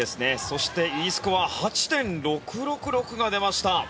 そしてＥスコア、８．６６６が出ました。